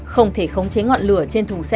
không thể khống chế ngọn lửa trên thùng xe